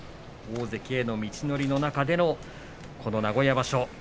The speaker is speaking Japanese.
大関への道のりの中でのこの名古屋場所